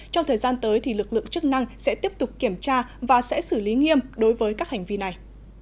trong thời gian tới lực lượng chức năng sẽ tiếp tục kiểm tra và sẽ xử lý nghiêm đối với các hành vi này